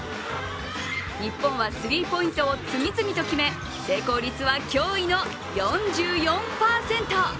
日本はスリーポイントを次々と決め成功率は脅威の４４％。